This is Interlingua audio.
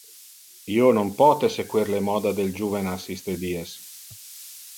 Io non pote sequer le moda del juvenas iste dies.